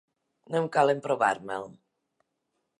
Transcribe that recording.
No em cal emprovar-me'l.